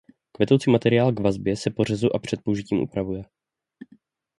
Kvetoucí materiál k vazbě se po řezu a před použitím upravuje.